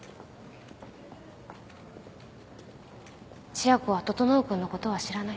千夜子は整君のことは知らない